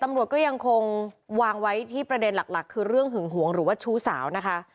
ตำรวจก็ยังคงวางไว้ที่ประเด็นหลักคือเรื่องหึงหวงหรือว่าชู้สาวนะคะ